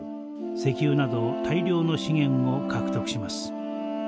石油など大量の資源を獲得します。